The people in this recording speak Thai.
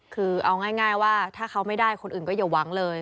คือเอาง่ายว่าถ้าเขาไม่ได้คนอื่นก็อย่าหวังเลย